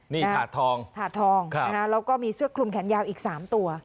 นี่ถาดทองถาดทองแล้วก็มีเสื้อคลุมแขนยาวอีก๓ตัว